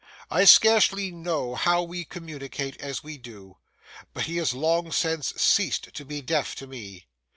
I scarcely know how we communicate as we do; but he has long since ceased to be deaf to me.